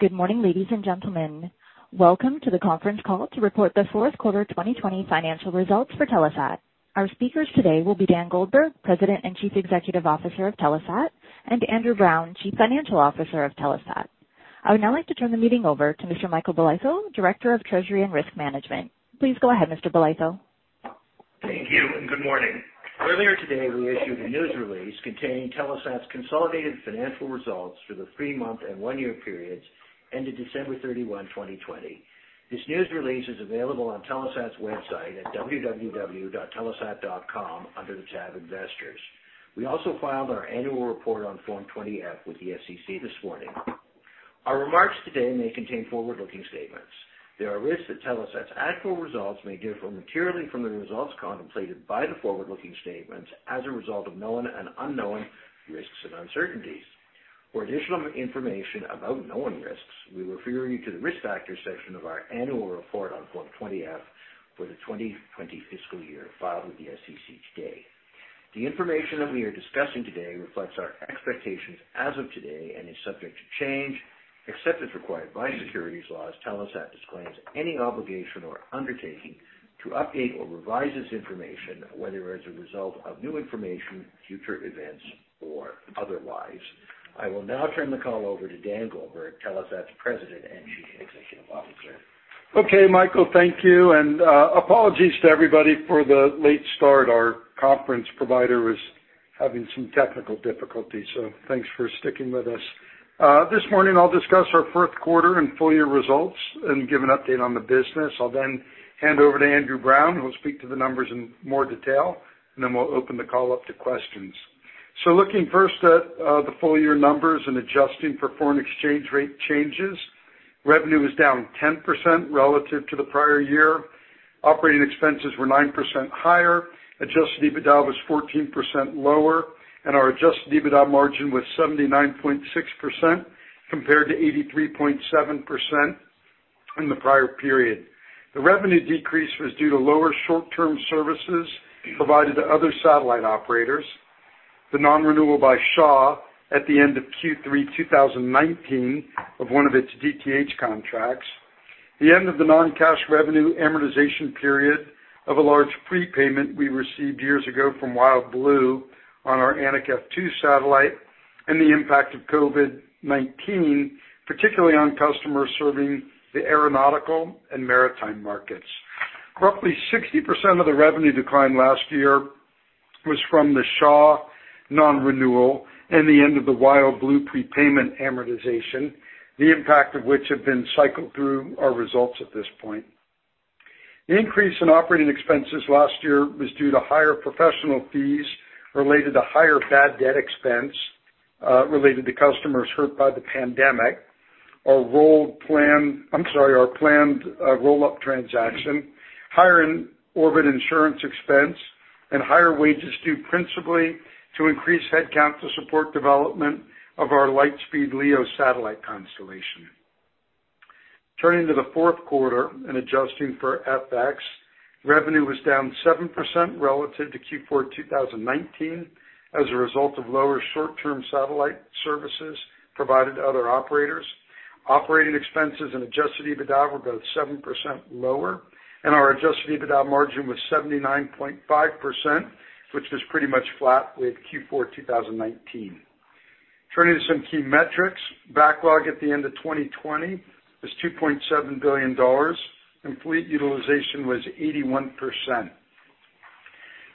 Good morning, ladies and gentlemen. Welcome to the conference call to report the fourth quarter 2020 financial results for Telesat. Our speakers today will be Dan Goldberg, President and Chief Executive Officer of Telesat, and Andrew Browne, Chief Financial Officer of Telesat. I would now like to turn the meeting over to Mr. Michael Bolitho, Director of Treasury and Risk Management. Please go ahead, Mr. Bolitho. Thank you, and good morning. Earlier today, we issued a news release containing Telesat's consolidated financial results for the three-month and one-year periods ended December 31, 2020. This news release is available on Telesat's website at www.telesat.com under the tab Investors. We also filed our annual report on Form 20-F with the SEC this morning. Our remarks today may contain forward-looking statements. There are risks that Telesat's actual results may differ materially from the results contemplated by the forward-looking statements as a result of known and unknown risks and uncertainties. For additional information about known risks, we refer you to the Risk Factors section of our annual report on Form 20-F for the 2020 fiscal year filed with the SEC today. The information that we are discussing today reflects our expectations as of today and is subject to change. Except as required by securities laws, Telesat disclaims any obligation or undertaking to update or revise this information, whether as a result of new information, future events, or otherwise. I will now turn the call over to Dan Goldberg, Telesat's President and Chief Executive Officer. Okay, Michael, thank you. Apologies to everybody for the late start. Our conference provider was having some technical difficulties, so thanks for sticking with us. This morning, I'll discuss our fourth quarter and full-year results and give an update on the business. I'll then hand over to Andrew Browne, who will speak to the numbers in more detail, and then we'll open the call up to questions. Looking first at the full-year numbers and adjusting for foreign exchange rate changes, revenue was down 10% relative to the prior year. Operating expenses were 9% higher. Adjusted EBITDA was 14% lower, and our adjusted EBITDA margin was 79.6% compared to 83.7% in the prior period. The revenue decrease was due to lower short-term services provided to other satellite operators, the non-renewal by Shaw at the end of Q3 2019 of one of its DTH contracts, the end of the non-cash revenue amortization period of a large prepayment we received years ago from WildBlue on our Anik F2 satellite, and the impact of COVID-19, particularly on customers serving the aeronautical and maritime markets. Roughly 60% of the revenue decline last year was from the Shaw non-renewal and the end of the WildBlue prepayment amortization, the impact of which have been cycled through our results at this point. The increase in operating expenses last year was due to higher professional fees related to higher bad debt expense related to customers hurt by the pandemic. Our planned roll-up transaction, higher in-orbit insurance expense, and higher wages due principally to increased headcount to support development of our Lightspeed LEO satellite constellation. Turning to the fourth quarter and adjusting for FX, revenue was down 7% relative to Q4 2019 as a result of lower short-term satellite services provided to other operators. Operating expenses and adjusted EBITDA were both 7% lower, and our adjusted EBITDA margin was 79.5%, which was pretty much flat with Q4 2019. Turning to some key metrics, backlog at the end of 2020 was 2.7 billion dollars, and fleet utilization was 81%.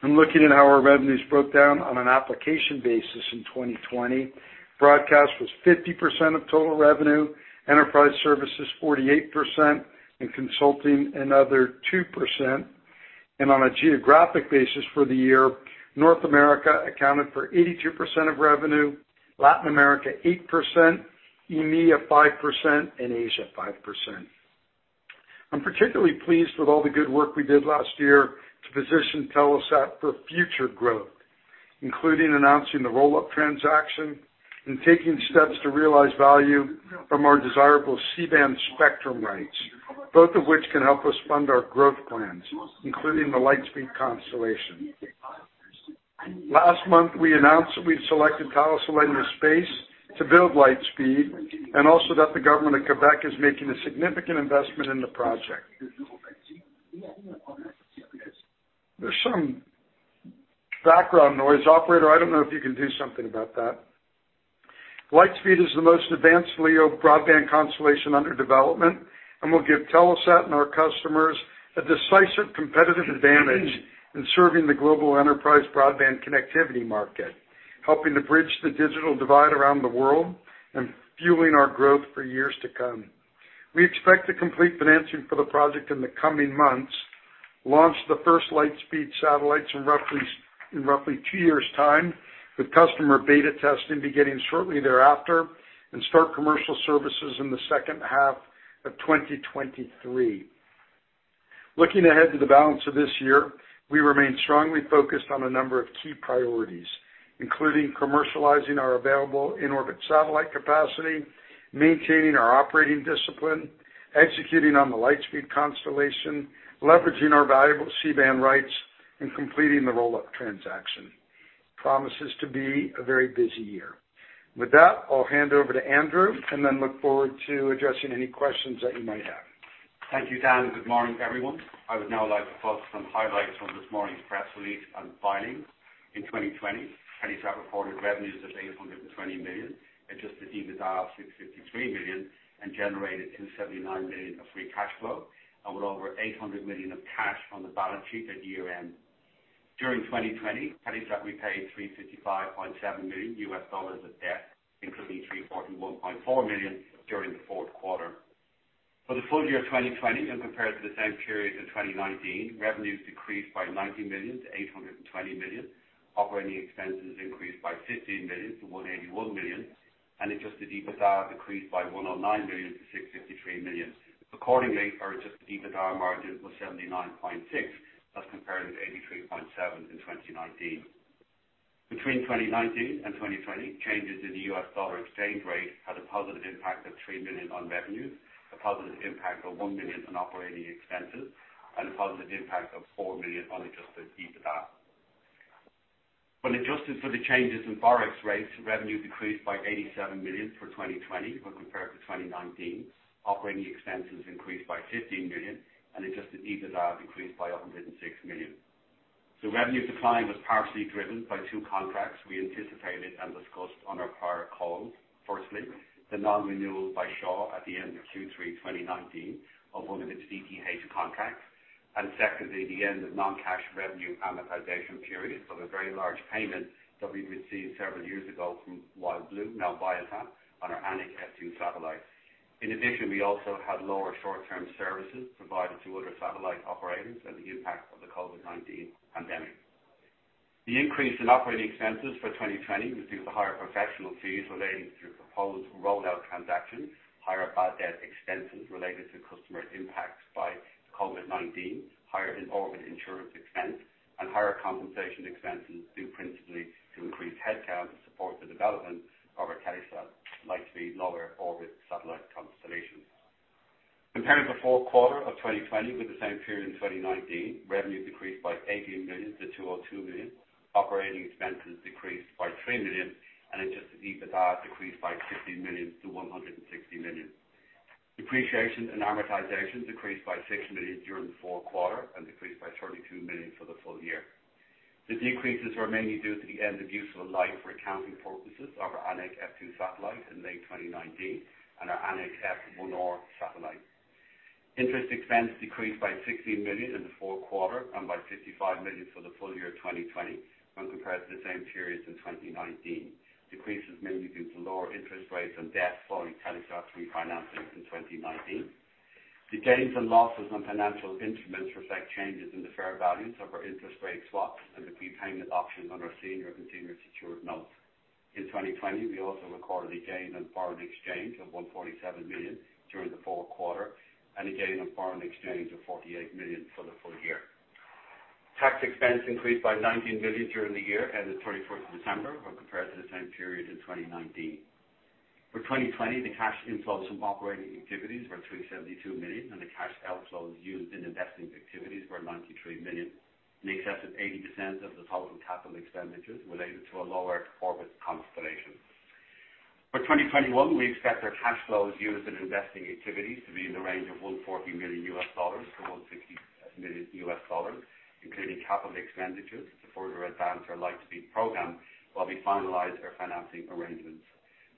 Looking at how our revenues broke down on an application basis in 2020, broadcast was 50% of total revenue, enterprise services 48%, and consulting another 2%. On a geographic basis for the year, North America accounted for 82% of revenue, Latin America 8%, EMEA 5%, and Asia 5%. I'm particularly pleased with all the good work we did last year to position Telesat for future growth, including announcing the roll-up transaction and taking steps to realize value from our desirable C-band spectrum rights, both of which can help us fund our growth plans, including the Lightspeed constellation. Last month, we announced that we'd selected Thales Alenia Space to build Lightspeed and also that the government of Quebec is making a significant investment in the project. There's some background noise. Operator, I don't know if you can do something about that. Lightspeed is the most advanced LEO broadband constellation under development and will give Telesat and our customers a decisive competitive advantage in serving the global enterprise broadband connectivity market, helping to bridge the digital divide around the world and fueling our growth for years to come. We expect to complete financing for the project in the coming months, launch the first Lightspeed satellites in roughly two years' time, with customer beta testing beginning shortly thereafter, and start commercial services in the second half of 2023. Looking ahead to the balance of this year, we remain strongly focused on a number of key priorities, including commercializing our available in-orbit satellite capacity, maintaining our operating discipline, executing on the Lightspeed constellation, leveraging our valuable C-band rights, and completing the roll-up transaction. Promises to be a very busy year. With that, I'll hand over to Andrew and then look forward to addressing any questions that you might have. Thank you, Dan. Good morning, everyone. I would now like to focus on highlights from this morning's press release and filings. In 2020, Telesat reported revenues of 820 million, adjusted EBITDA of 653 million, and generated 279 million of free cash flow, and with over 800 million of cash on the balance sheet at year-end. During 2020, Telesat repaid $355.7 million of debt, including $341.4 million during the fourth quarter. For the full year 2020 when compared to the same period in 2019, revenues decreased by 90 million to 820 million, operating expenses increased by 15 million to 181 million, and adjusted EBITDA decreased by 109 million to 653 million. Our adjusted EBITDA margin was 79.6% as compared to 83.7% in 2019. Between 2019 and 2020, changes in the U.S. dollar exchange rate had a positive impact of $3 million on revenues, a positive impact of $1 million on operating expenses, and a positive impact of $4 million on adjusted EBITDA. When adjusted for the changes in Forex rates, revenues decreased by 87 million for 2020 when compared to 2019. Operating expenses increased by 15 million, Adjusted EBITDA decreased by 106 million. The revenue decline was partially driven by two contracts we anticipated and discussed on our prior calls. Firstly, the non-renewal by Shaw at the end of Q3 2019 of one of its DTH contracts. Secondly, the end of non-cash revenue amortization period of a very large payment that we received several years ago from WildBlue, now Viasat, on our Anik F2 satellite. In addition, we also had lower short-term services provided to other satellite operators and the impact of the COVID-19 pandemic. The increase in operating expenses for 2020 was due to higher professional fees relating to proposed rollout transactions, higher bad debt expenses related to customer impacts by COVID-19, higher in-orbit insurance expense, and higher compensation expenses due principally to increased headcount to support the development of our Telesat Lightspeed lower orbit satellite constellation. Comparing the fourth quarter of 2020 with the same period in 2019, revenue decreased by 18 million to 202 million, operating expenses decreased by 3 million, and adjusted EBITDA decreased by 15 million to 160 million. Depreciation and amortization decreased by 6 million during the fourth quarter and decreased by 32 million for the full year. The decreases were mainly due to the end of useful life for accounting purposes of our Anik F2 satellite in May 2019 and our Anik F1R satellite. Interest expense decreased by 16 million in the fourth quarter and by 55 million for the full year 2020 when compared to the same period in 2019. Decreases mainly due to lower interest rates on debt following Telesat's refinancing in 2019. The gains and losses on financial instruments reflect changes in the fair values of our interest rate swaps and the prepayment options on our senior and senior secured notes. In 2020, we also recorded a gain on foreign exchange of 147 million during the fourth quarter and a gain on foreign exchange of 48 million for the full year. Tax expense increased by 19 million during the year ended 31st December when compared to the same period in 2019. For 2020, the cash inflows from operating activities were 372 million, and the cash outflows used in investing activities were 93 million, in excess of 80% of the total capital expenditures related to our lower orbit constellation. For 2021, we expect our cash flows used in investing activities to be in the range of US$140 million-US$160 million, including capital expenditures to further advance our Lightspeed program while we finalize our financing arrangements.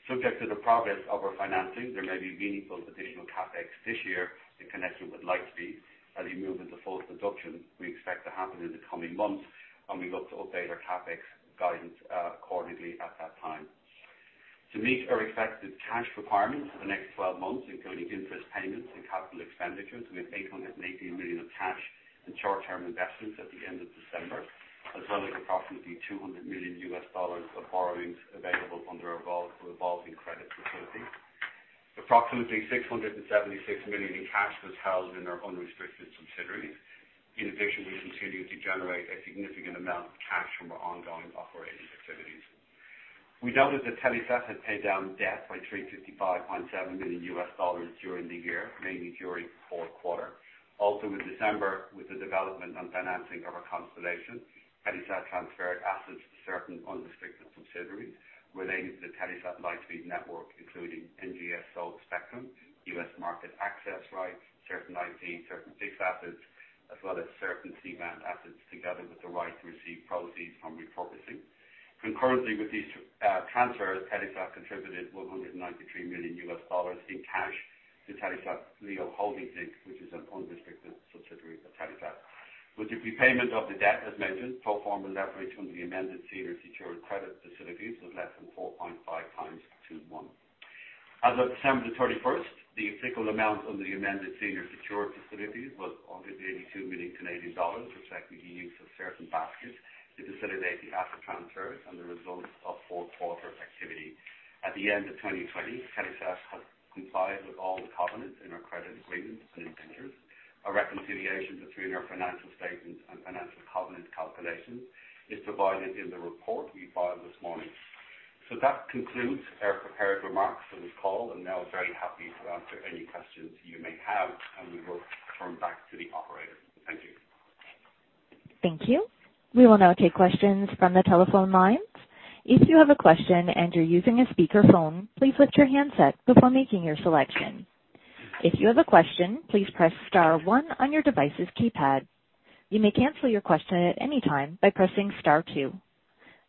Subject to the progress of our financing, there may be meaningful additional CapEx this year in connection with Lightspeed as we move into full production. We expect to happen in the coming months, and we look to update our CapEx guidance accordingly at that time. To meet our expected cash requirements for the next 12 months, including interest payments and capital expenditures, we have 880 million of cash and short-term investments at the end of December, as well as approximately 200 million US dollars of borrowings available under our revolving credit facility. Approximately 676 million in cash was held in our unrestricted subsidiaries. In addition, we continue to generate a significant amount of cash from our ongoing operating activities. We noted that Telesat had paid down debt by 355.7 million US dollars during the year, mainly during the fourth quarter. Also in December, with the development and financing of our constellation, Telesat transferred assets to certain unrestricted subsidiaries related to the Telesat Lightspeed network, including NGSO spectrum, U.S. market access rights, certain IP, certain fixed assets, as well as certain C-band assets, together with the right to receive proceeds from repurposing. Concurrently with these transfers, Telesat contributed $193 million in cash to Telesat LEO Holdings Inc., which is an unrestricted subsidiary of Telesat. With the prepayment of the debt, as mentioned, pro forma leverage under the amended senior secured credit facilities was less than 4.5 times to one. As of December 31st, the fiscal amount under the amended senior secured facilities was 182 million Canadian dollars, reflecting the use of certain baskets to facilitate the asset transfers and the results of fourth quarter activity. At the end of 2020, Telesat has complied with all the covenants in our credit agreements and indentures. A reconciliation between our financial statements and financial covenant calculation is provided in the report we filed this morning. That concludes our prepared remarks for this call, and now very happy to answer any questions you may have, and we will turn back to the operator. Thank you. Thank you. We will now take questions from the telephone lines. If you have a question and you are using a speaker phone, please let your handset before making a selection. If you have a question please press star one on your device's keypad. You may cancel your question anytime by pressing star two.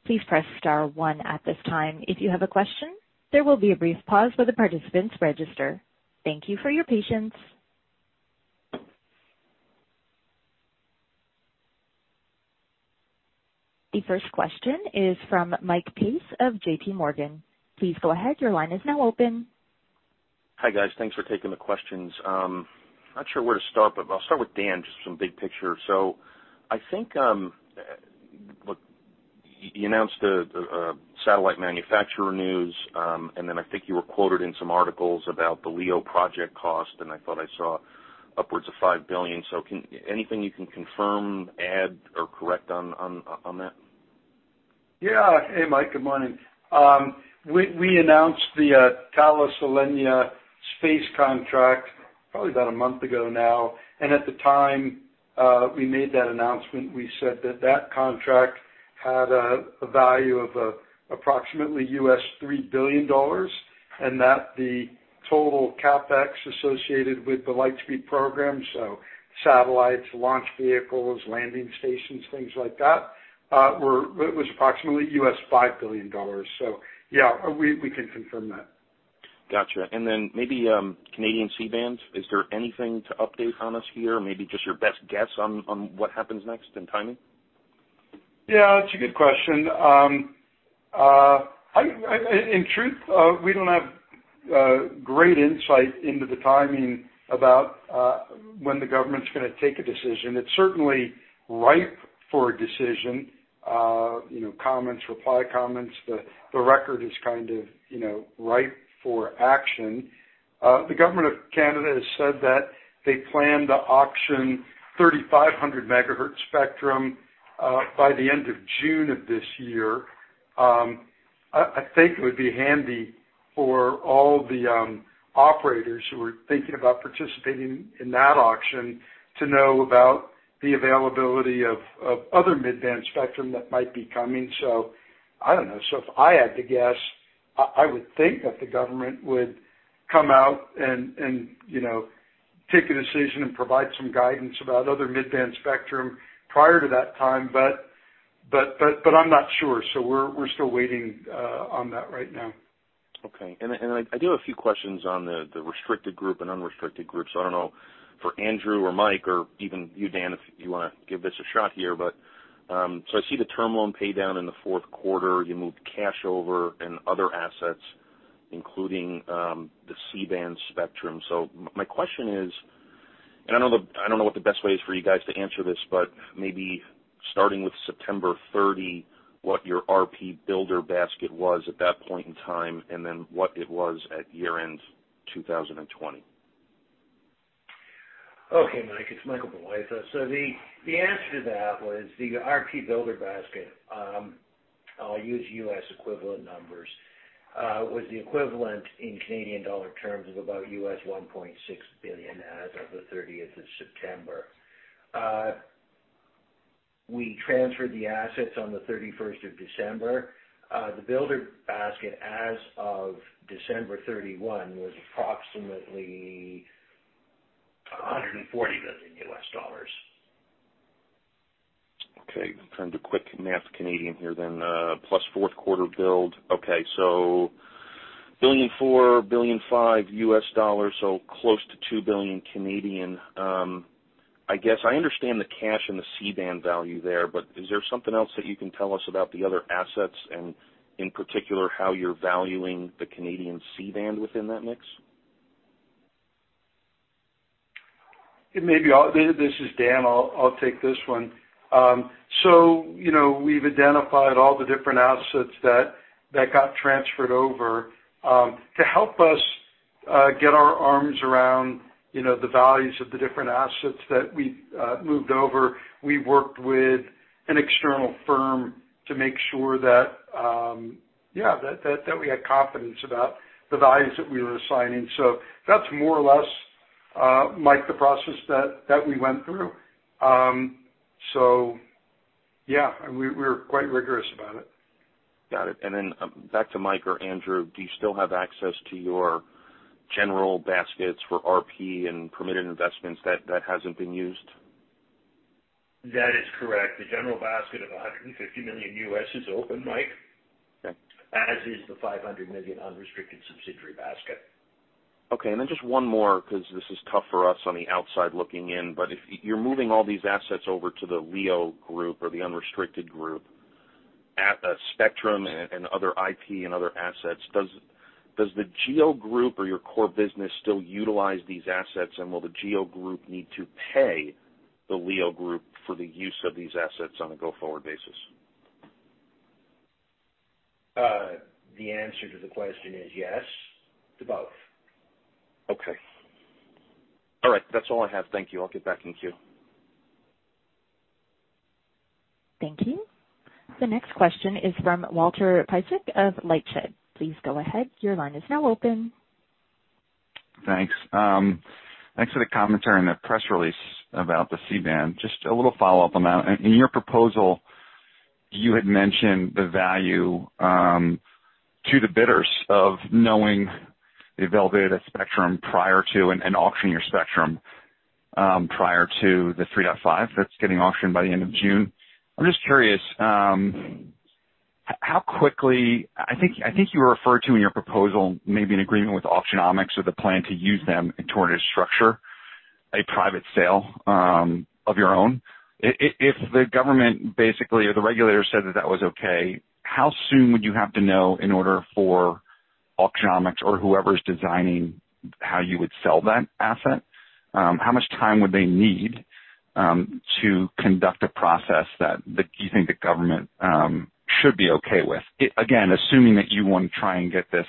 Please press star one at this time if you have a question. There will be a brief pause for participants to register. Thank you for your patience. The first question is from Mike Pace of JPMorgan. Please go ahead. Your line is now open. Hi, guys. Thanks for taking the questions. I'm not sure where to start, but I'll start with Dan, just from big picture. I think, you announced the satellite manufacturer news, and then I think you were quoted in some articles about the LEO project cost, and I thought I saw upwards of 5 billion. Anything you can confirm, add, or correct on that? Hey, Mike. Good morning. We announced the Thales Alenia Space contract probably about a month ago now. At the time we made that announcement, we said that that contract had a value of approximately $3 billion, and that the total CapEx associated with the Lightspeed program, so satellites, launch vehicles, landing stations, things like that, was approximately $5 billion. Yeah, we can confirm that. Got you. Maybe Canadian C-bands, is there anything to update on us here? Maybe just your best guess on what happens next and timing? Yeah, that's a good question. In truth, we don't have great insight into the timing about when the government's going to take a decision. It's certainly ripe for a decision. Comments, reply comments. The record is kind of ripe for action. The government of Canada has said that they plan to auction 3500 MHz spectrum by the end of June of this year. I think it would be handy for all the operators who are thinking about participating in that auction to know about the availability of other mid-band spectrum that might be coming. I don't know. If I had to guess, I would think that the government would come out and take a decision and provide some guidance about other mid-band spectrum prior to that time, but I'm not sure. We're still waiting on that right now. Okay. I do have a few questions on the restricted group and unrestricted group. I don't know, for Andrew or Mike or even you, Dan, if you want to give this a shot here. I see the term loan paydown in the fourth quarter. You moved cash over and other assets, including the C-band spectrum. My question is, I don't know what the best way is for you guys to answer this, but maybe starting with September 30, what your RP builder basket was at that point in time, and then what it was at year-end 2020. Okay, Mike. It's Michael Bolitho. The answer to that was the RP builder basket, I'll use US equivalent numbers, was the equivalent in Canadian dollar terms of about $1.6 billion as of the 30th of September. We transferred the assets on the 31st of December. The builder basket as of December 31 was approximately $140 million. Okay, trying to do quick math Canadian here then, plus fourth quarter build. Okay, $1.4 billion-$1.5 billion US dollars, close to 2 billion. I guess I understand the cash and the C-band value there, but is there something else that you can tell us about the other assets and, in particular, how you're valuing the Canadian C-band within that mix? This is Dan, I'll take this one. We've identified all the different assets that got transferred over. To help us get our arms around the values of the different assets that we moved over, we worked with an external firm to make sure that we had confidence about the values that we were assigning. That's more or less, Mike, the process that we went through. Yeah, we were quite rigorous about it. Got it. Back to Mike or Andrew, do you still have access to your general baskets for RP and permitted investments that hasn't been used? That is correct. The general basket of $150 million is open, Mike. Okay. As is the 500 million unrestricted subsidiary basket. Just one more because this is tough for us on the outside looking in. If you're moving all these assets over to the LEO group or the unrestricted group, spectrum and other IP and other assets, does the GEO group or your core business still utilize these assets, and will the GEO group need to pay the LEO group for the use of these assets on a go-forward basis? The answer to the question is yes to both. That's all I have. Thank you. I'll get back in queue. Thank you. The next question is from Walter Piecyk of LightShed. Please go ahead. Your line is now open. Thanks. Thanks for the commentary in the press release about the C-band. Just a little follow-up on that. In your proposal, you had mentioned the value, to the bidders of knowing the availability of the spectrum prior to and auctioning your spectrum, prior to the 3.5 that's getting auctioned by the end of June. I'm just curious, how quickly I think you referred to in your proposal maybe an agreement with Auctionomics or the plan to use them toward a structure, a private sale, of your own. If the government basically, or the regulator said that that was okay, how soon would you have to know in order for Auctionomics or whoever's designing how you would sell that asset, how much time would they need to conduct a process that you think the government should be okay with? Assuming that you want to try and get this,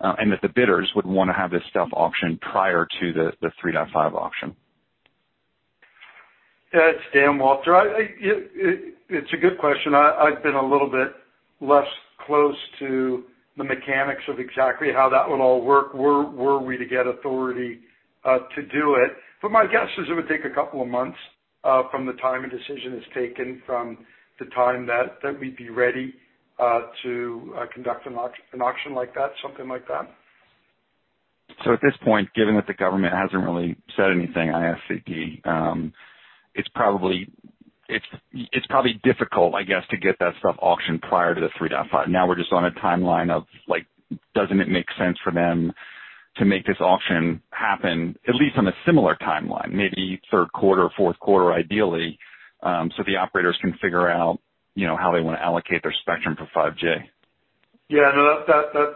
and that the bidders would want to have this stuff auctioned prior to the 3.5 auction. Yeah. It's Dan, Walter. It's a good question. I've been a little bit less close to the mechanics of exactly how that would all work were we to get authority to do it. But my guess is it would take a couple of months, from the time a decision is taken, from the time that we'd be ready to conduct an auction like that, something like that. At this point, given that the government hasn't really said anything, IFTP, it's probably difficult, I guess, to get that stuff auctioned prior to the 3.5. Now we're just on a timeline of, doesn't it make sense for them to make this auction happen at least on a similar timeline, maybe third quarter, fourth quarter, ideally, so the operators can figure out how they want to allocate their spectrum for 5G? Yeah, no,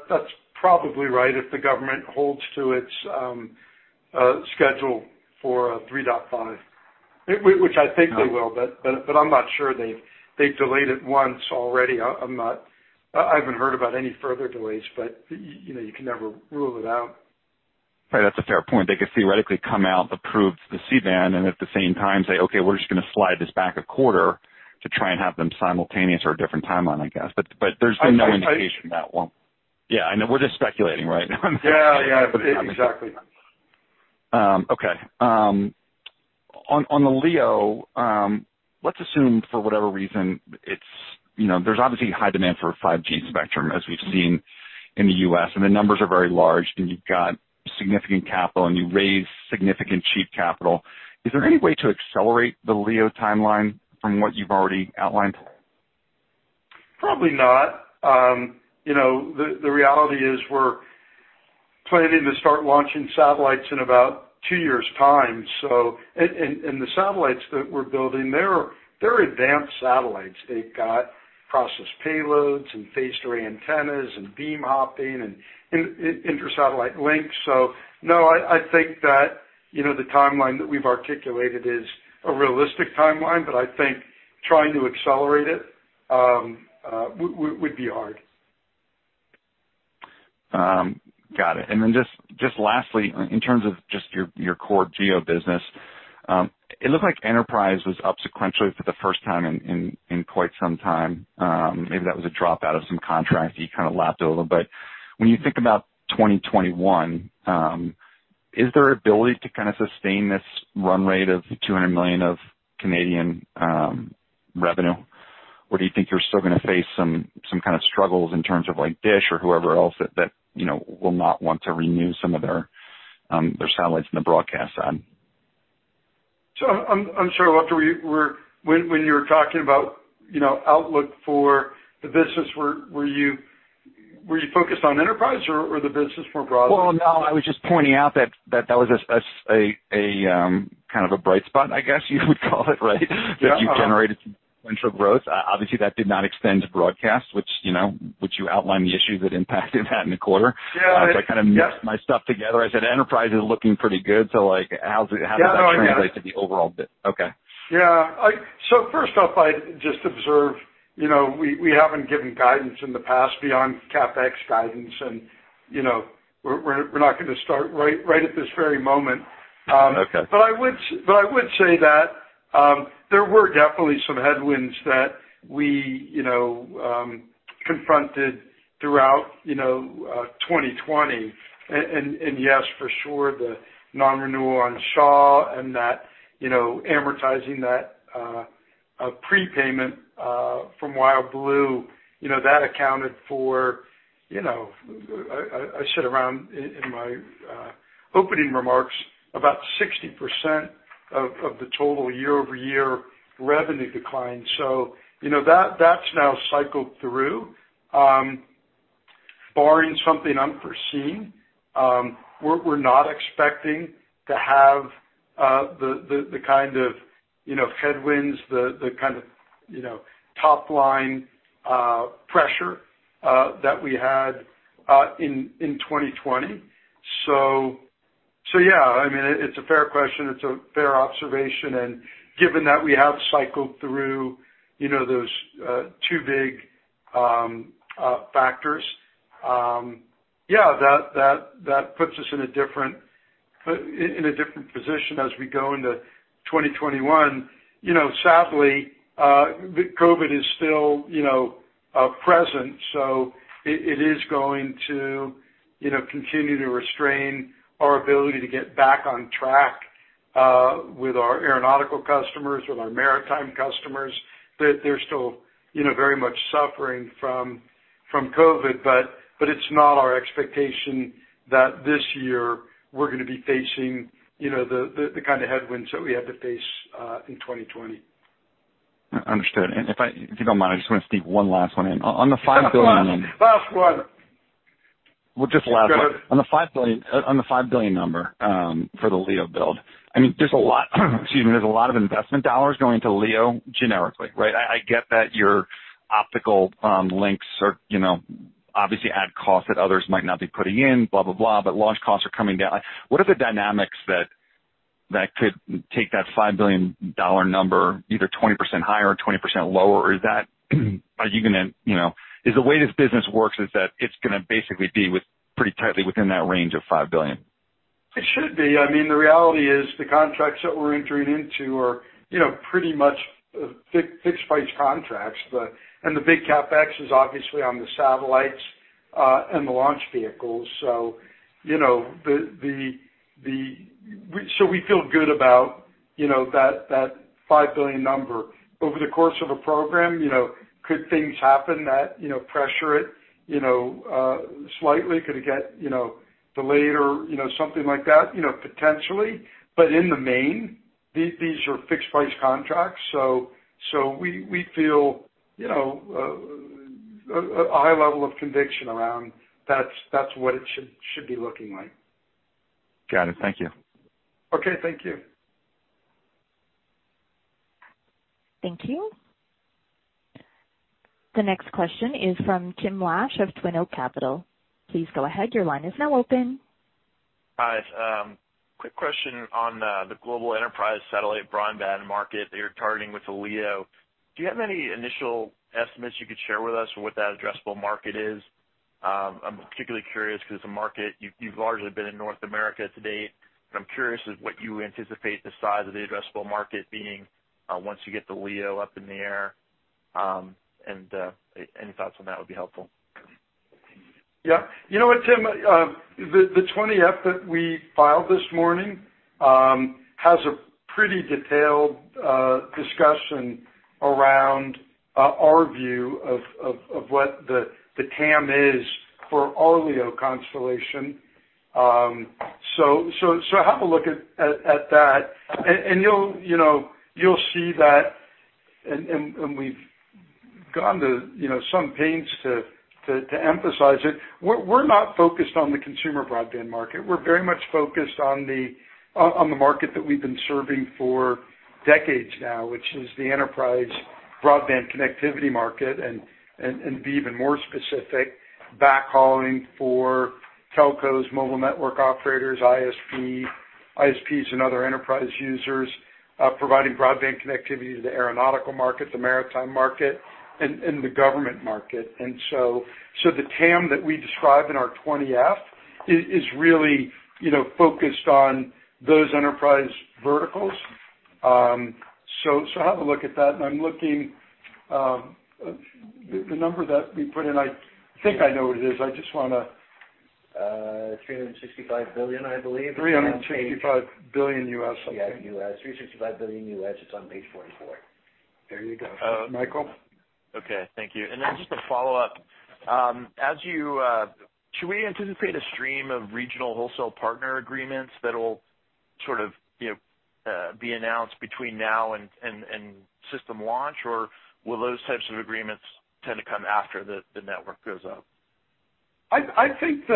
that's probably right. If the government holds to its schedule for 3.5, which I think they will, but I'm not sure. They've delayed it once already. I haven't heard about any further delays, but you can never rule it out. Right. That's a fair point. They could theoretically come out, approve the C-band, and at the same time say, "Okay, we're just going to slide this back a quarter," to try and have them simultaneous or a different timeline, I guess. There's been no indication. Yeah, I know. We're just speculating right now. Yeah. Exactly. Okay. On the LEO, let's assume for whatever reason, there's obviously high demand for 5G spectrum, as we've seen in the U.S., and the numbers are very large, and you've got significant capital, and you raise significant cheap capital. Is there any way to accelerate the LEO timeline from what you've already outlined? Probably not. The reality is, we're planning to start launching satellites in about two years' time. The satellites that we're building, they're advanced satellites. They've got process payloads and phased array antennas and beam hopping and inter-satellite links. No, I think that the timeline that we've articulated is a realistic timeline, but I think trying to accelerate it would be hard. Got it. Then just lastly, in terms of just your core GEO business, it looked like enterprise was up sequentially for the first time in quite some time. Maybe that was a drop out of some contract you kind of lapped over. When you think about 2021, is there ability to kind of sustain this run rate of 200 million of revenue? Do you think you're still going to face some kind of struggles in terms of Dish or whoever else that will not want to renew some of their satellites on the broadcast side? I'm sorry, Walter, when you were talking about outlook for the business, were you focused on enterprise or the business more broadly? Well, no, I was just pointing out that that was a kind of a bright spot, I guess you would call it, right? Yeah. You generated some potential growth. Obviously, that did not extend to broadcast, which you outlined the issues that impacted that in the quarter. Yeah. I kind of mixed my stuff together. I said enterprise is looking pretty good, how does that translate to the overall bit? Okay. Yeah. First off, I'd just observe, we haven't given guidance in the past beyond CapEx guidance and we're not going to start right at this very moment. Okay. I would say that there were definitely some headwinds that we confronted throughout 2020. Yes, for sure, the non-renewal on Shaw and that amortizing that prepayment from WildBlue, that accounted for, I said around, in my opening remarks, about 60% of the total year-over-year revenue decline. That's now cycled through. Barring something unforeseen, we're not expecting to have the kind of headwinds, the kind of top-line pressure that we had in 2020. Yeah, it's a fair question. It's a fair observation, and given that we have cycled through those two big factors. Yeah, that puts us in a different position as we go into 2021. Sadly, COVID is still present. It is going to continue to restrain our ability to get back on track with our aeronautical customers, with our maritime customers. They're still very much suffering from COVID. It's not our expectation that this year we're going to be facing the kind of headwinds that we had to face in 2020. Understood. If you don't mind, I just want to sneak one last one in. On the 5 billion. Last one. Well, just the last one. Good. On the 5 billion number for the LEO build, there's a lot of investment dollars going into LEO generically, right? I get that your optical links obviously add cost that others might not be putting in, blah, blah. Launch costs are coming down. What are the dynamics that could take that 5 billion dollar number either 20% higher or 20% lower? Is the way this business works is that it's going to basically be pretty tightly within that range of CAD 5 billion? It should be. The reality is the contracts that we're entering into are pretty much fixed price contracts. The big CapEx is obviously on the satellites and the launch vehicles. We feel good about that 5 billion number. Over the course of a program, could things happen that pressure it slightly? Could it get delayed or something like that? Potentially. In the main, these are fixed price contracts, we feel a high level of conviction around that's what it should be looking like. Got it. Thank you. Okay. Thank you. Thank you. The next question is from Tim Lash of Twin Oak Capital. Please go ahead. Your line is now open. Hi. Quick question on the global enterprise satellite broadband market that you're targeting with the LEO. Do you have any initial estimates you could share with us for what that addressable market is? I'm particularly curious because it's a market you've largely been in North America to date, and I'm curious what you anticipate the size of the addressable market being once you get the LEO up in the air. Any thoughts on that would be helpful. Yeah. You know what, Tim? The 20F that we filed this morning has a pretty detailed discussion around our view of what the TAM is for our LEO constellation. Have a look at that and you'll see that, and we've gone to some pains to emphasize it. We're not focused on the consumer broadband market. We're very much focused on the market that we've been serving for decades now, which is the enterprise broadband connectivity market, and to be even more specific, backhauling for telcos, mobile network operators, ISPs, and other enterprise users, providing broadband connectivity to the aeronautical market, the maritime market, and the government market. The TAM that we describe in our 20-F is really focused on those enterprise verticals. Have a look at that. I'm looking. The number that we put in, I think I know what it is. I just want to- 365 billion, I believe. $365 billion. Yeah, U.S. $365 billion U.S., it's on page 44. There you go, Michael. Okay. Thank you. Just a follow-up. Should we anticipate a stream of regional wholesale partner agreements that'll sort of be announced between now and system launch, or will those types of agreements tend to come after the network goes up? I think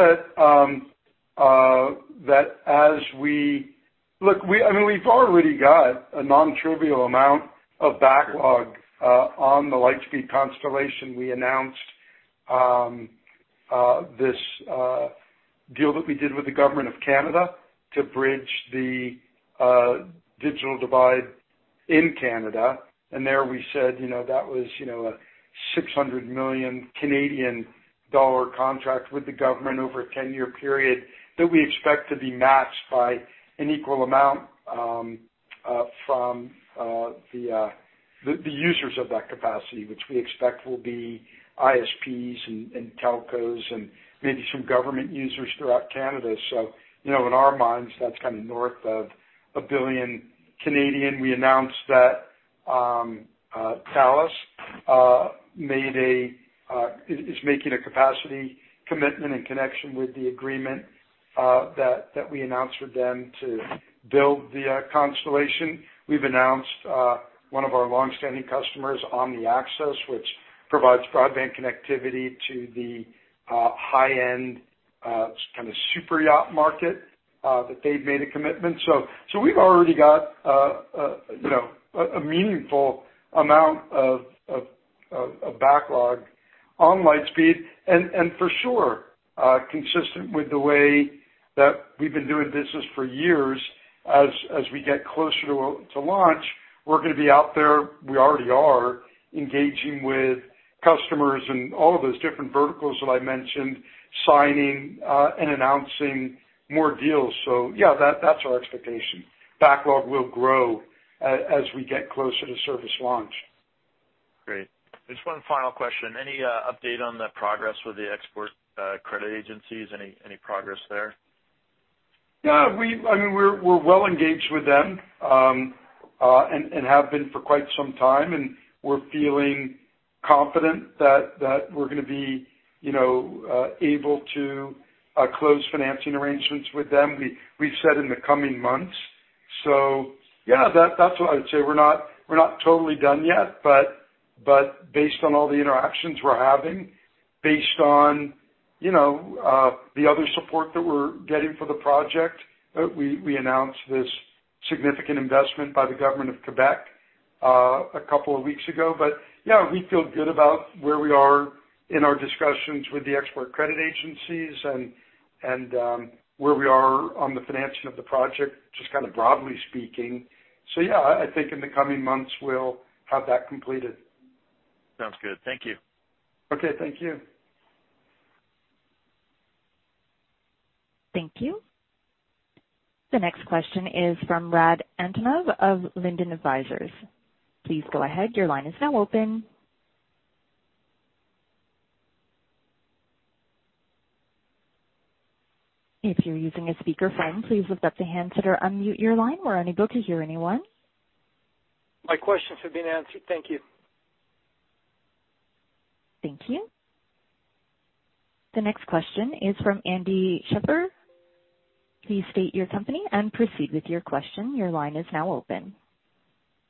that as we look, we've already got a non-trivial amount of backlog on the Lightspeed constellation. We announced this deal that we did with the Government of Canada to bridge the digital divide in Canada. There we said that was a 600 million Canadian dollar contract with the government over a 10-year period that we expect to be matched by an equal amount from the users of that capacity, which we expect will be ISPs and telcos and maybe some government users throughout Canada. In our minds, that's kind of north of 1 billion. We announced that Thales is making a capacity commitment in connection with the agreement that we announced with them to build the constellation. We've announced one of our longstanding customers, OmniAccess, which provides broadband connectivity to the high-end, kind of superyacht market, that they've made a commitment. We've already got a meaningful amount of backlog on Lightspeed. For sure, consistent with the way that we've been doing business for years, as we get closer to launch, we're going to be out there, we already are, engaging with customers and all of those different verticals that I mentioned, signing and announcing more deals. Yeah, that's our expectation. Backlog will grow as we get closer to service launch. Great. Just one final question. Any update on the progress with the export credit agencies? Any progress there? We're well engaged with them, and have been for quite some time, and we're feeling confident that we're going to be able to close financing arrangements with them. We've said in the coming months. That's what I would say. We're not totally done yet, but based on all the interactions we're having, based on the other support that we're getting for the project, we announced this significant investment by the government of Quebec a couple of weeks ago. We feel good about where we are in our discussions with the export credit agencies and where we are on the financing of the project, just kind of broadly speaking. I think in the coming months, we'll have that completed. Sounds good. Thank you. Okay. Thank you. Thank you. The next question is from Rad Antonov of Linden Advisors. Please go ahead. Your line is now open. If you are using a speaker phone please let the handset to unmute your line. My questions have been answered. Thank you. Thank you. The next question is from Andy Searle. Please state your company and proceed with your question. Your line is now open.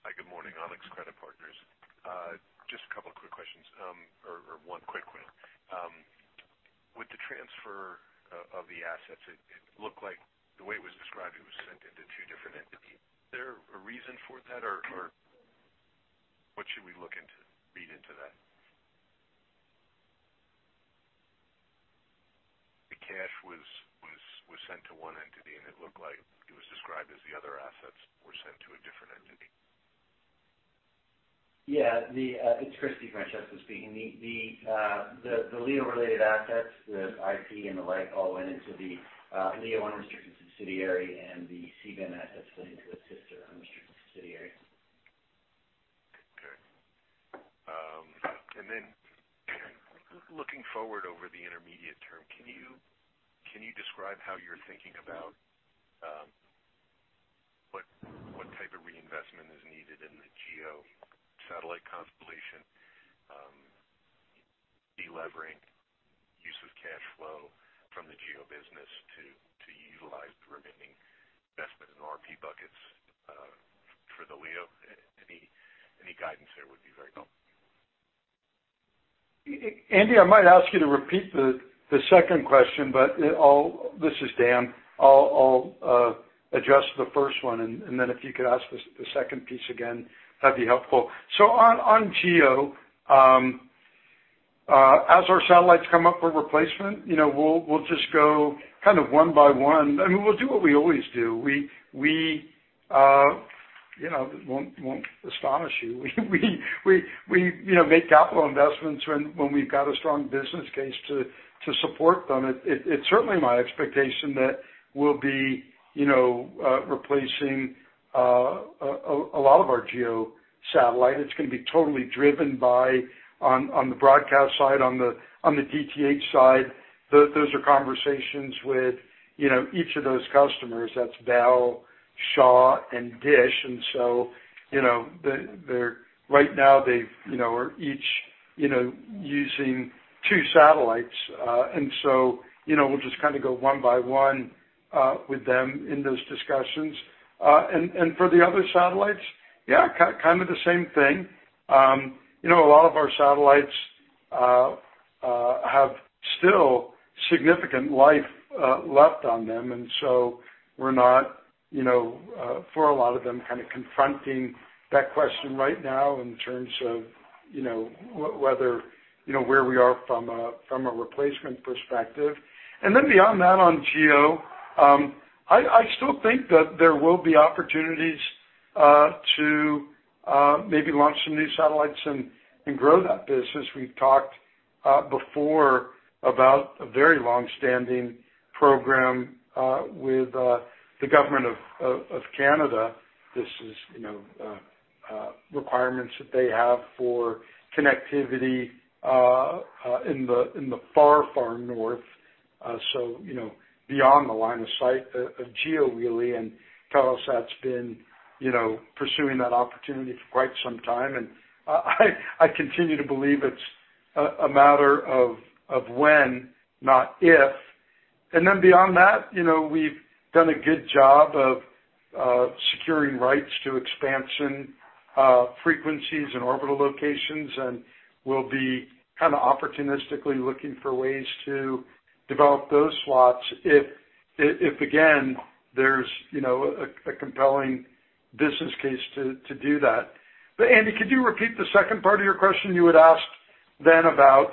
Hi, good morning. AlixPartners. Just a couple of quick questions or one quick one. With the transfer of the assets, it looked like the way it was described, it was sent into two different entities. Is there a reason for that or what should we look into, read into that? The cash was sent to one entity, and it looked like it was described as the other assets were sent to a different entity. It's Chris DiFrancesco speaking. The LEO-related assets, the IP and the like, all went into the LEO unrestricted subsidiary and the C-band assets went into a sister unrestricted subsidiary. Okay. Looking forward over the intermediate term, can you describe how you're thinking about what type of reinvestment is needed in the GEO satellite constellation, de-levering use of cash flow from the GEO business to utilize the remaining investment in RP buckets for the LEO? Any guidance there would be very helpful. Andy, I might ask you to repeat the second question, but This is Dan. I'll address the first one, if you could ask the second piece again, that'd be helpful. On GEO, as our satellites come up for replacement, we'll just go one by one. We'll do what we always do. We won't astonish you. We make capital investments when we've got a strong business case to support them. It's certainly my expectation that we'll be replacing a lot of our GEO satellite. It's going to be totally driven by, on the broadcast side, on the DTH side. Those are conversations with each of those customers. That's Bell, Shaw, and Dish. Right now they are each using two satellites. We'll just go one by one with them in those discussions. For the other satellites, yeah, kind of the same thing. A lot of our satellites have still significant life left on them, and so we're not, for a lot of them, kind of confronting that question right now in terms of where we are from a replacement perspective. Beyond that, on GEO, I still think that there will be opportunities to maybe launch some new satellites and grow that business. We've talked before about a very long-standing program with the Government of Canada. This is requirements that they have for connectivity in the far, far north. Beyond the line of sight of GEO, really, and Telesat's been pursuing that opportunity for quite some time, and I continue to believe it's a matter of when, not if. Beyond that, we've done a good job of securing rights to expansion frequencies and orbital locations, and we'll be opportunistically looking for ways to develop those slots if, again, there's a compelling business case to do that. Andy, could you repeat the second part of your question? You had asked about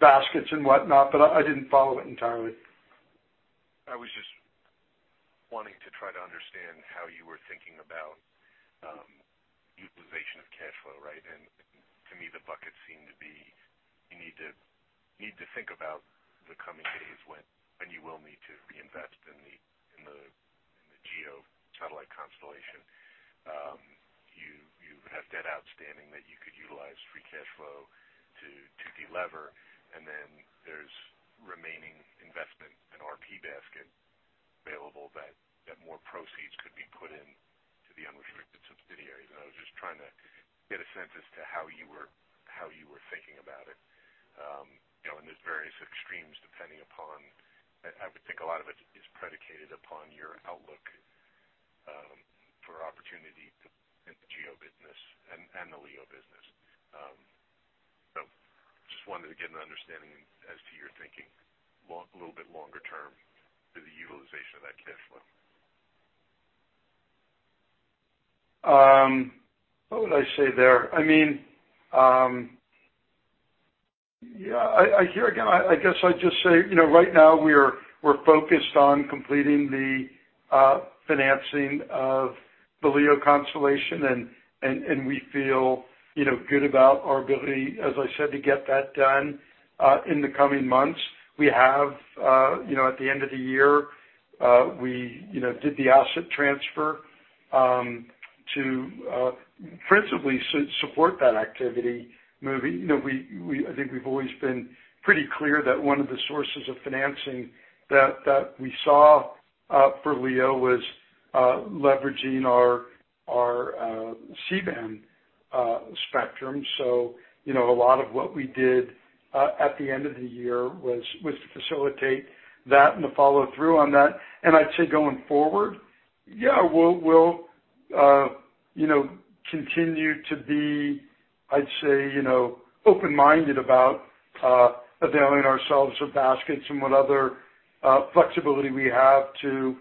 baskets and whatnot, but I didn't follow it entirely. I was just wanting to try to understand how you were thinking about utilization of cash flow, right? To me, the buckets seem to be, you need to think about the coming days when you will need to reinvest in the GEO satellite constellation. You have debt outstanding that you could utilize free cash flow to de-lever, and then there's remaining investment, an RP basket available that more proceeds could be put in to the unrestricted subsidiaries. I was just trying to get a sense as to how you were thinking about it. There's various extremes depending upon, I would think a lot of it is predicated upon your outlook for opportunity in the GEO business and the LEO business. Just wanted to get an understanding as to your thinking a little bit longer term to the utilization of that cash flow. What would I say there? Here again, I guess I'd just say, right now we're focused on completing the financing of the LEO constellation, and we feel good about our ability, as I said, to get that done in the coming months. At the end of the year, we did the asset transfer to principally support that activity. I think we've always been pretty clear that one of the sources of financing that we saw for LEO was leveraging our C-band spectrum. A lot of what we did, at the end of the year was to facilitate that and the follow-through on that. I'd say going forward, yeah, we'll continue to be, I'd say, open-minded about availing ourselves of baskets and what other flexibility we have to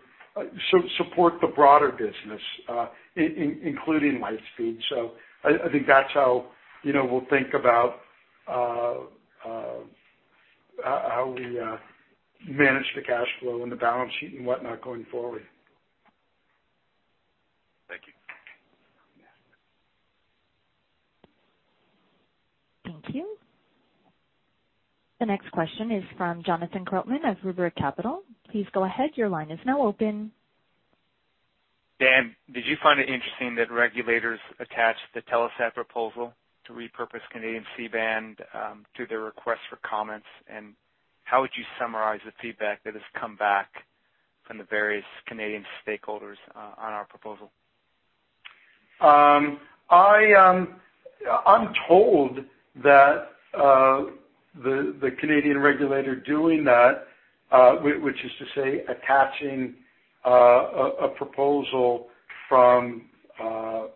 support the broader business, including Lightspeed. I think that's how we'll think about how we manage the cash flow and the balance sheet and whatnot going forward. Thank you. Thank you. The next question is from Jonathan Krotman of Rumberg Capital. Please go ahead. Your line is now open. Dan, did you find it interesting that regulators attached the Telesat proposal to repurpose Canadian C-band to their request for comments? How would you summarize the feedback that has come back from the various Canadian stakeholders on our proposal? I'm told that the Canadian regulator doing that, which is to say, attaching a proposal from a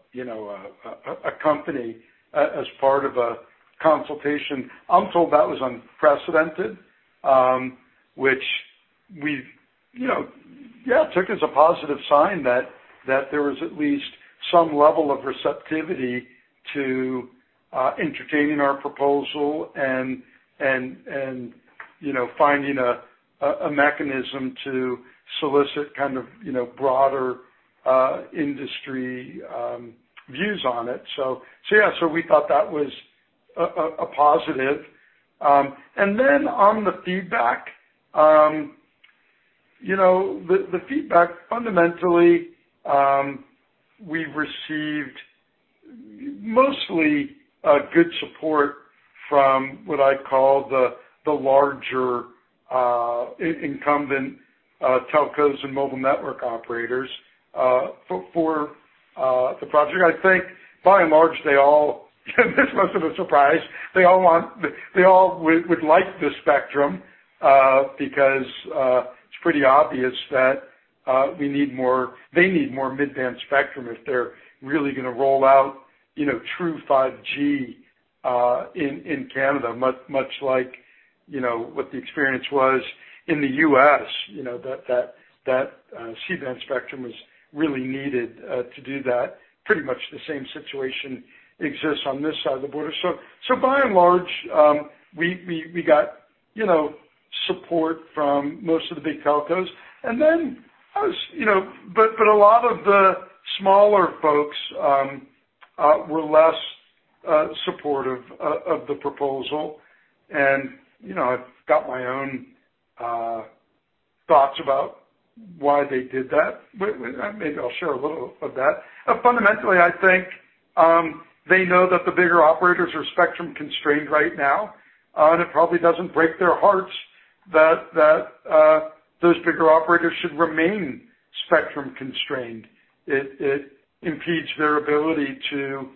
company as part of a consultation, I'm told that was unprecedented. Which we took as a positive sign that there was at least some level of receptivity to entertaining our proposal and finding a mechanism to solicit broader industry views on it. Yeah. We thought that was a positive. Then on the feedback. The feedback, fundamentally, we received mostly good support from what I'd call the larger incumbent telcos and mobile network operators for the project. I think by and large, they all and this wasn't a surprise, they all would like this spectrum, because it's pretty obvious that they need more mid-band spectrum if they're really going to roll out true 5G in Canada, much like what the experience was in the U.S., that C-band spectrum was really needed to do that. Pretty much the same situation exists on this side of the border. By and large, we got support from most of the big telcos. A lot of the smaller folks were less supportive of the proposal. I've got my own thoughts about why they did that. Maybe I'll share a little of that. Fundamentally, I think, they know that the bigger operators are spectrum-constrained right now, and it probably doesn't break their hearts that those bigger operators should remain spectrum-constrained. It impedes their ability to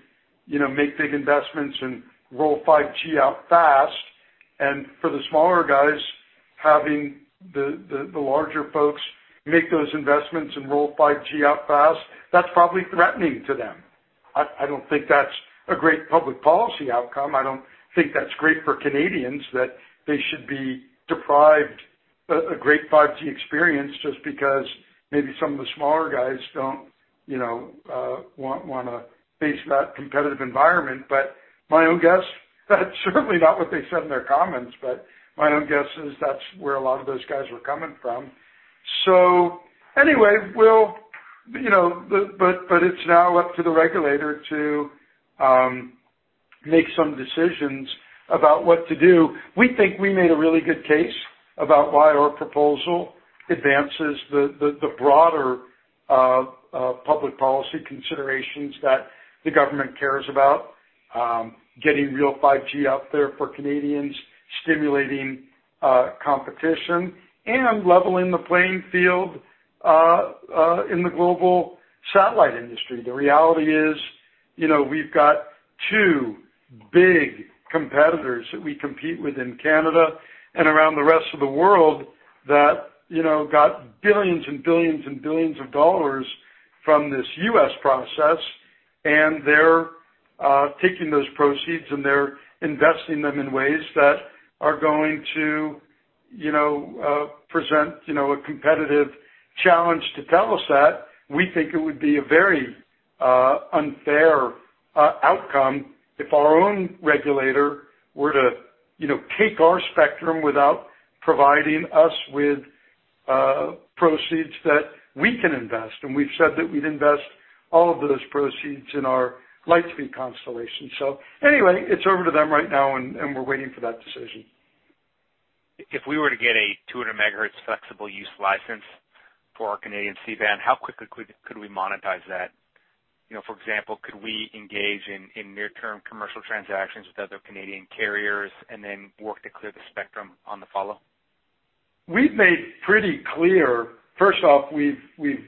make big investments and roll 5G out fast. For the smaller guys, having the larger folks make those investments and roll 5G out fast, that's probably threatening to them. I don't think that's a great public policy outcome. I don't think that's great for Canadians that they should be deprived a great 5G experience just because maybe some of the smaller guys don't want to face that competitive environment. My own guess, that's certainly not what they said in their comments, my own guess is that's where a lot of those guys were coming from. Anyway, it's now up to the regulator to make some decisions about what to do. We think we made a really good case about why our proposal advances the broader public policy considerations that the government cares about, getting real 5G out there for Canadians, stimulating competition, and leveling the playing field in the global satellite industry. The reality is, we've got two big competitors that we compete with in Canada and around the rest of the world that got billions and billions and billions of dollars from this U.S. process, and they're taking those proceeds, and they're investing them in ways that are going to present a competitive challenge to Telesat. We think it would be a very unfair outcome if our own regulator were to take our spectrum without providing us with proceeds that we can invest. We've said that we'd invest all of those proceeds in our Lightspeed constellation. Anyway, it's over to them right now, and we're waiting for that decision. If we were to get a 200 MHz flexible use license for our Canadian C-band, how quickly could we monetize that? For example, could we engage in near-term commercial transactions with other Canadian carriers and then work to clear the spectrum on the follow? First off, we've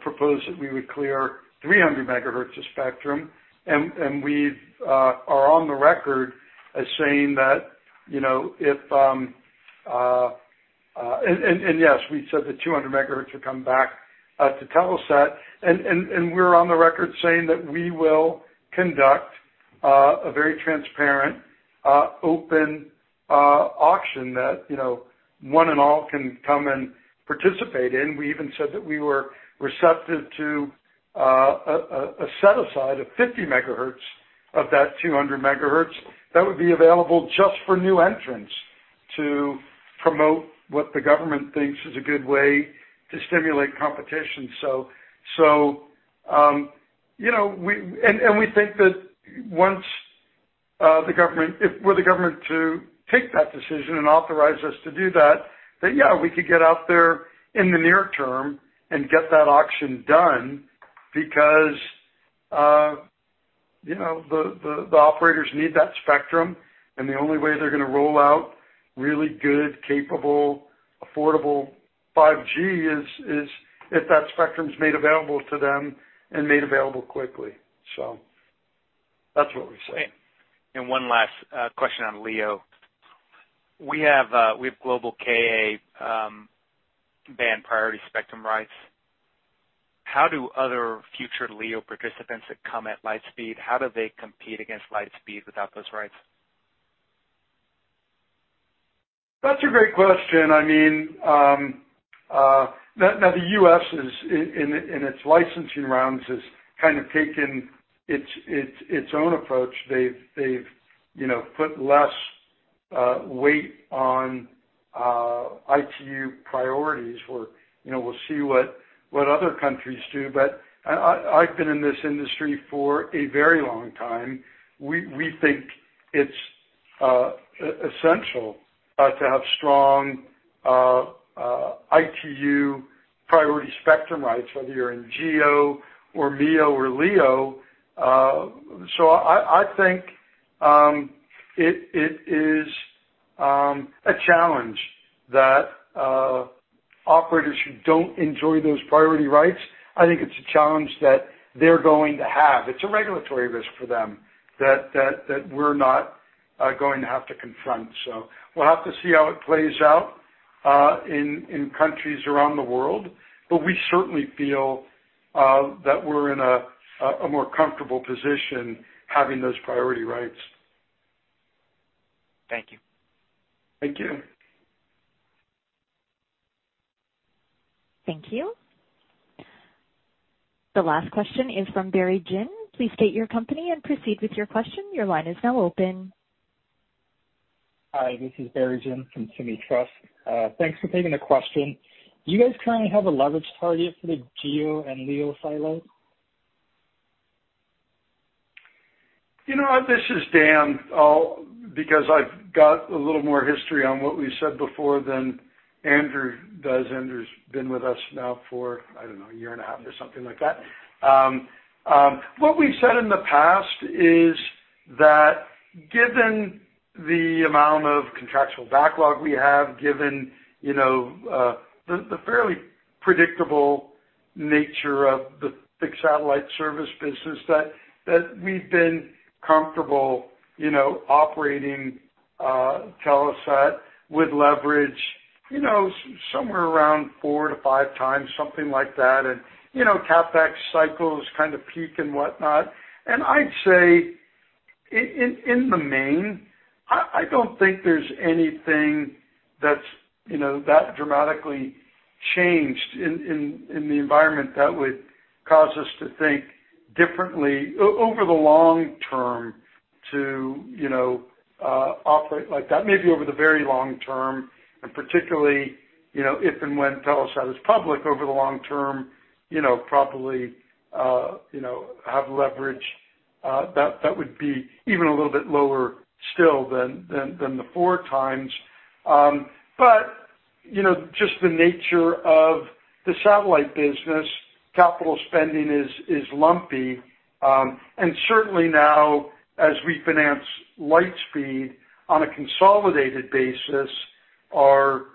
proposed that we would clear 300 MHz of spectrum. Yes, we said the 200 MHz would come back to Telesat. We're on the record saying that we will conduct a very transparent, open auction that one and all can come and participate in. We even said that we were receptive to a set-aside of 50 MHz of that 200 MHz that would be available just for new entrants to promote what the government thinks is a good way to stimulate competition. We think that once if were the government to take that decision and authorize us to do that, we could get out there in the near term and get that auction done because the operators need that spectrum. The only way they're going to roll out really good, capable, affordable 5G is if that spectrum's made available to them and made available quickly. That's what we say. One last question on LEO. We have global Ka-band priority spectrum rights. How do other future LEO participants that come at Lightspeed, how do they compete against Lightspeed without those rights? That's a great question. The U.S. in its licensing rounds, has kind of taken its own approach. They've put less weight on ITU priorities, where we'll see what other countries do. I've been in this industry for a very long time. We think it's essential to have strong ITU priority spectrum rights, whether you're in GEO or MEO or LEO. I think it is a challenge that operators who don't enjoy those priority rights, I think it's a challenge that they're going to have. It's a regulatory risk for them that we're not going to have to confront. We'll have to see how it plays out in countries around the world. We certainly feel that we're in a more comfortable position having those priority rights. Thank you. Thank you. Thank you. The last question is from Barry Jin. Please state your company and proceed with your question. Hi, this is Barry Jin from SuMi TRUST. Thanks for taking the question. Do you guys currently have a leverage target for the GEO and LEO satellite? This is Dan. Because I've got a little more history on what we said before than Andrew does. Andrew's been with us now for, I don't know, a year and a half or something like that. What we've said in the past is that given the amount of contractual backlog we have, given the fairly predictable nature of the satellite service business, that we've been comfortable operating Telesat with leverage somewhere around four to five times, something like that, and CapEx cycles kind of peak and whatnot. In the main, I don't think there's anything that's dramatically changed in the environment that would cause us to think differently over the long term to operate like that. Maybe over the very long term, particularly, if and when Telesat is public over the long term, probably have leverage that would be even a little bit lower still than the 4x. Just the nature of the satellite business, capital spending is lumpy. Certainly now, as we finance Lightspeed on a consolidated basis, our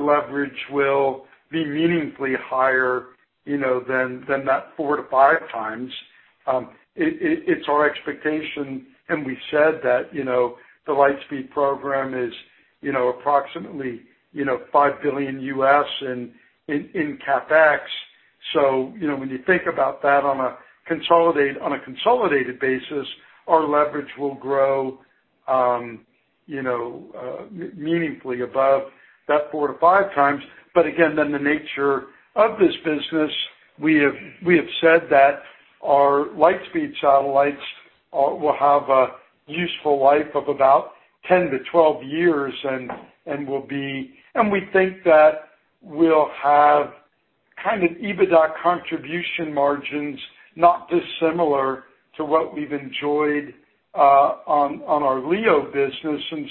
leverage will be meaningfully higher than that 4-5 times. It's our expectation, and we've said that the Lightspeed program is approximately $5 billion in CapEx. When you think about that on a consolidated basis, our leverage will grow meaningfully above that 4-5 times. Again, then the nature of this business, we have said that our Lightspeed satellites will have a useful life of about 10-12 years, and we think that we'll have kind of EBITDA contribution margins not dissimilar to what we've enjoyed on our LEO business.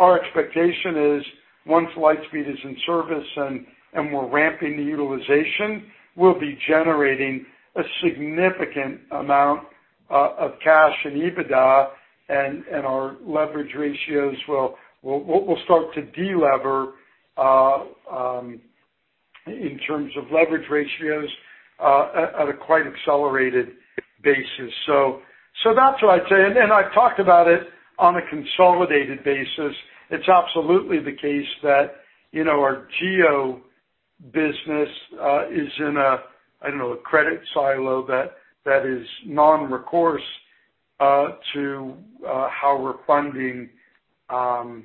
Our expectation is once Lightspeed is in service and we're ramping the utilization, we'll be generating a significant amount of cash and EBITDA, and our leverage ratios will start to de-lever in terms of leverage ratios at a quite accelerated basis. That's what I'd say. I've talked about it on a consolidated basis. It's absolutely the case that our GEO business is in a, I don't know, a credit silo that is non-recourse to how we're funding Lightspeed.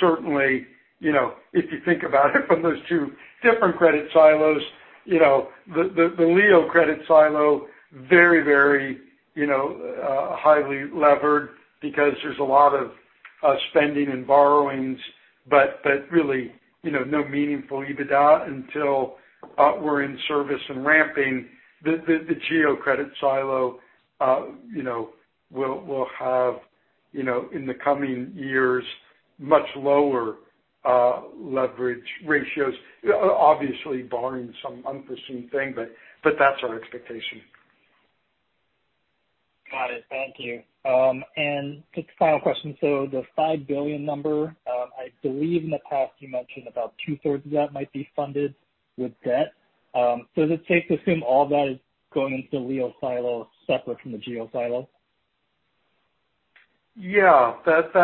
Certainly, if you think about it from those two different credit silos, the LEO credit silo, very highly levered because there's a lot of spending and borrowings, but really no meaningful EBITDA until we're in service and ramping. The GEO credit silo will have, in the coming years, much lower leverage ratios. Obviously barring some unforeseen thing, but that's our expectation. Got it. Thank you. Just final question. The 5 billion number, I believe in the past you mentioned about two-thirds of that might be funded with debt. Is it safe to assume all that is going into the LEO silo separate from the GEO silo? Yeah. That's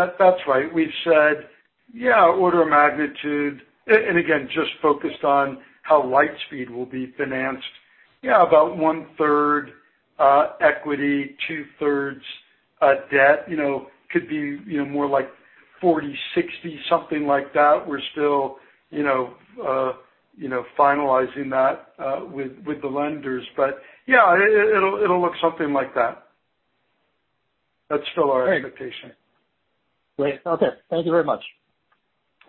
right. We've said order of magnitude, and again, just focused on how Lightspeed will be financed. Yeah, about 1/3 equity, 2/3 debt. Could be more like 40/60, something like that. We're still finalizing that with the lenders. Yeah, it'll look something like that. That's still our expectation. Great. Okay. Thank you very much.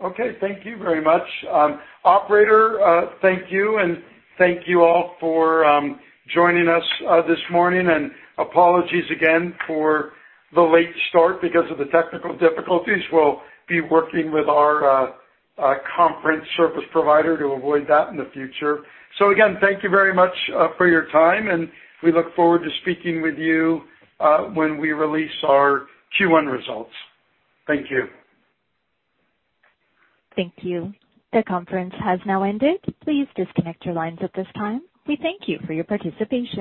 Okay. Thank you very much. Operator, thank you, and thank you all for joining us this morning. Apologies again for the late start because of the technical difficulties. We'll be working with our conference service provider to avoid that in the future. Again, thank you very much for your time, and we look forward to speaking with you when we release our Q1 results. Thank you. Thank you. The conference has now ended. Please disconnect your lines at this time. We thank you for your participation